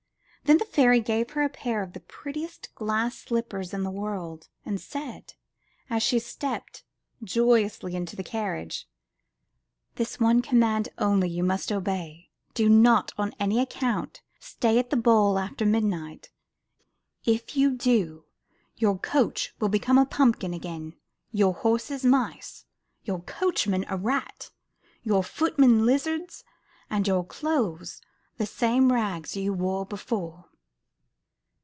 Then the fairy gave her a pair of the prettiest glass slippers in the world, and said, as she stepped joyously into the carriage: ''This one command only you must obey. Do not on any account stay at the ball after midnight. If you do, your coach will become a pumpkin again, your horses mice, your coachman a rat, yoUr footmen lizards, and your clothes the same rags you wore before."